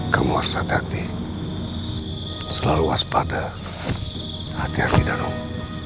kamu harus hati hati selalu waspada hati hati danung